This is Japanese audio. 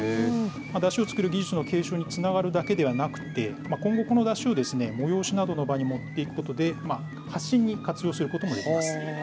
山車を作る技術の継承につながるだけではなくて、今後、この山車を催しなどの場に持っていくことで、発信に活用することもできます。